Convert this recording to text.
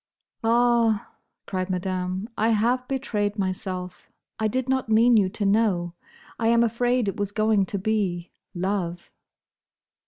"Ah!" cried Madame, "I have betrayed myself. I did not mean you to know. I am afraid it was going to be—love."